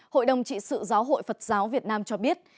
hội đồng trị sự giáo hội phật giáo việt nam cho biết